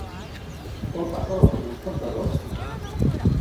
Quan passa l'autobús per Seròs?